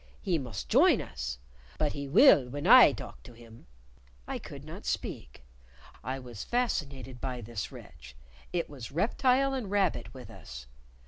He must join us. But he will when I talk to him." I could not speak. I was fascinated by this wretch: it was reptile and rabbit with us.